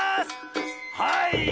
はい。